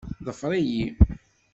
Ḍfer-iyi.